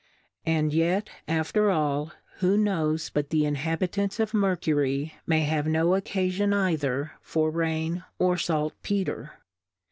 And yet after all, who knows but the Inhabitants o( Mer cury may have no occafion either for Rain, or Salt Peter